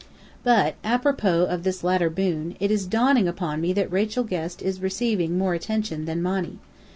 But apropos of this latter boon, it is dawning upon me that Rachel Guest is receiving more attention than Monny.